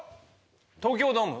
東京ドーム。